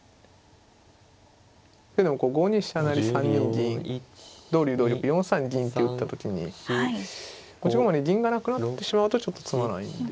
５二飛車成３二銀同竜同玉４三銀って打った時に持ち駒に銀がなくなってしまうとちょっと詰まないんで。